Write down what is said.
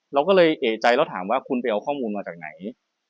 เราก็เลยเอกใจแล้วถามว่าคุณไปเอาข้อมูลมาจากไหน